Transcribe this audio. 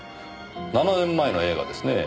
７年前の映画ですねぇ。